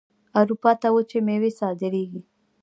اروپا ته وچې میوې صادریږي.